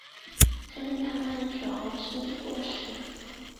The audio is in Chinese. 相信它们主要是吃果实。